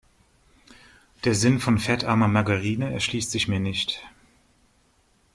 Der Sinn von fettarmer Margarine erschließt sich mir nicht.